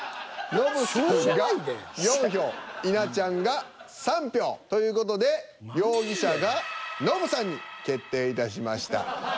ノブさんが４票稲ちゃんが３票という事で容疑者がノブさんに決定いたしました。